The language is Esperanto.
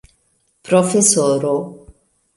profesoro